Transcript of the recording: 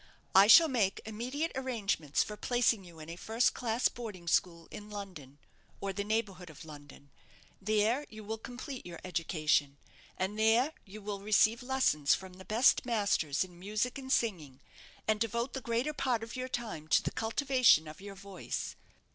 I shall make immediate arrangements for placing you in a first class boarding school in London, or the neighbourhood of London. There you will complete your education, and there you will receive lessons from the best masters in music and singing, and devote the greater part of your time to the cultivation of your voice.